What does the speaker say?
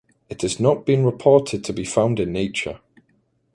It has not been reported to be found in nature.